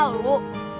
kalau mus lihat